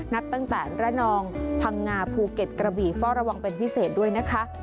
นับตั้งแต่ระนองพังงาภูเก็ตกระบี่เฝ้าระวังเป็นพิเศษด้วยนะคะ